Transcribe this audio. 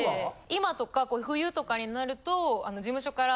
・今とか冬とかになると事務所から。